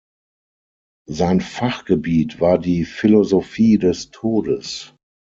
Sein Fachgebiet war die Philosophie des Todes.